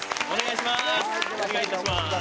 お願いします。